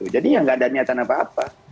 jadi ya nggak ada niatan apa apa